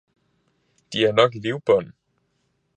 De er nok livbånd!